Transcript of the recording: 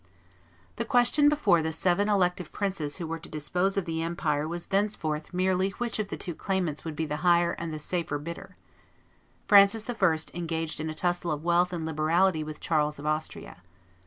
The question before the seven elective princes who were to dispose of the empire was thenceforth merely which of the two claimants would be the higher and the safer bidder. Francis I. engaged in a tussle of wealth and liberality with Charles of Austria.